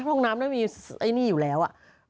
ห้องน้ำไม่มีอยู่แล้ว